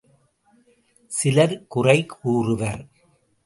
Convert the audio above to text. சிலர் குறை கூறுவர்.